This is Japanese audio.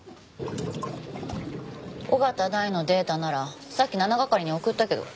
緒方大のデータならさっき７係に送ったけど。